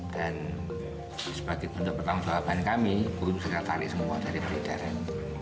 dan sebagai pendapatan soal bahan kami kondusinya ditarik semua dari peredaran